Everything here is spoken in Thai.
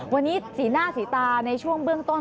วันนี้สีหน้าสีตาในช่วงเบื้องต้น